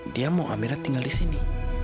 dia mau amira tinggal disini